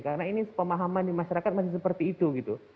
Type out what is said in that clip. karena ini pemahaman di masyarakat masih seperti itu gitu